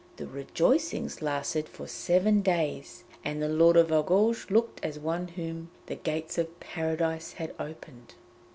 The rejoicings lasted for seven days, and the Lord of Argouges looked as one to whom the gates of Paradise had opened.